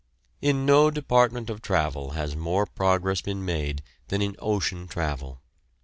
In no department of travel has more progress been made than in ocean travel.